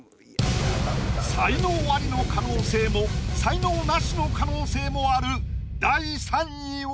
才能アリの可能性も才能ナシの可能性もある第３位は。